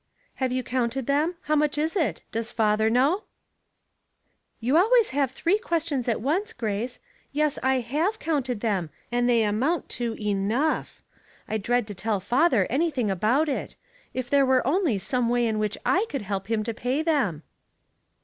" Have you counted them ? How much is it ? Does father know ?" *'You always ask three questions at once, Grace. Yes, I have counted them, and they amount to enough. I dread to tell father any thing about it. If there were only some way in which J could help him to pay them."